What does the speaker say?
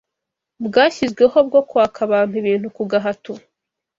bwashyizweho bwo kwaka abantu ibintu ku gahato